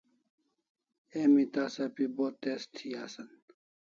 Emi tasa pi bo tez thi asan